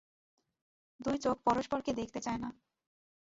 দুটো চোখ পরস্পরকে দেখতে চায় না।